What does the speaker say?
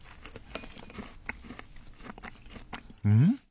うん？